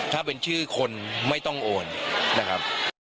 ถ้าเป็นชื่อคนไม่ต้องโอนนะครับ